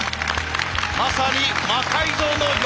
まさに「魔改造の夜」